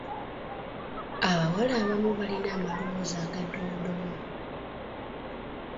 Abawala abamu balina amaloboozi agadoodooma!